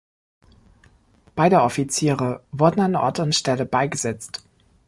Beide Offiziere wurden an Ort und Stelle beigesetzt.